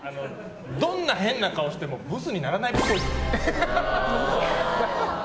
どんな変な顔してもブスにならないっぽい。